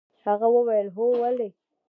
هغه وويل هو ولې.